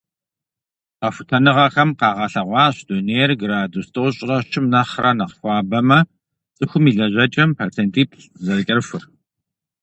Къэхутэныгъэхэм къагъэлъэгъуащ дунейр градус тӏощӏрэ щым нэхърэ нэхъ хуабэмэ, цӀыхум и лэжьэкӀэм процентиплӏ зэрыкӀэрыхур.